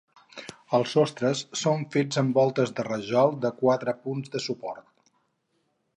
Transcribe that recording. Els sostres són fets amb voltes de rajol de quatre punts de suport.